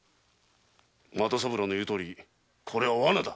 又三郎の言うとおりこれは罠だ！